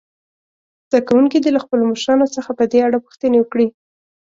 زده کوونکي دې له خپلو مشرانو څخه په دې اړه پوښتنې وکړي.